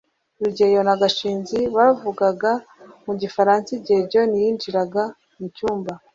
rugeyo na gashinzi bavugaga mu gifaransa igihe john yinjiraga mu cyumba